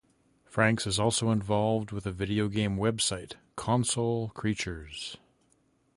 Francks is also involved with a video game website, "Console Creatures".